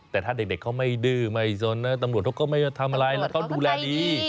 แต่ถ้าเด็กเขาไม่ดื้อไม่สนนะตำรวจเขาก็ไม่ทำอะไรแล้วเขาดูแลดี